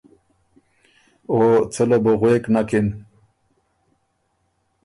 او څه له بو غوېک نکِن۔